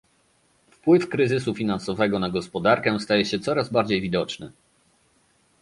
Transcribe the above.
Wpływ kryzysu finansowego na gospodarkę staje się coraz bardziej widoczny